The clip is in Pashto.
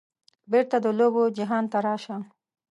بیرته د لوبو جهان ته راشه